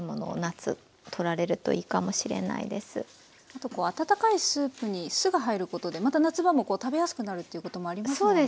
あと温かいスープに酢が入ることでまた夏場も食べやすくなるっていうこともありますもんね。